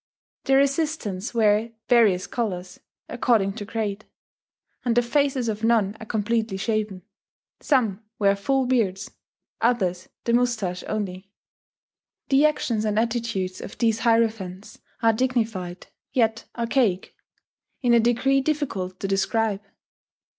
Their assistants wear various colours, according to grade; and the faces of none are completely shaven; some wear full beards, others the mustache only. The actions and attitudes of these hierophants are dignified, yet archaic, in a degree difficult to describe.